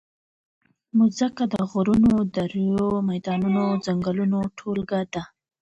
مځکه د غرونو، دریو، میدانونو او ځنګلونو ټولګه ده.